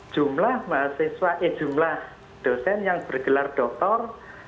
jumlah mahasiswa eh jumlah dosen yang bergelar doktor